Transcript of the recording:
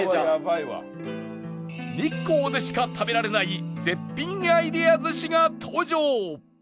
日光でしか食べられない絶品アイデア寿司が登場！